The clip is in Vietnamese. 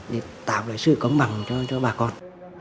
để tạo lại sự cống bằng cho bà con